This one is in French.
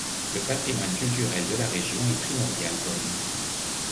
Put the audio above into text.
Le patrimoine culturel de la région est primordial pour lui.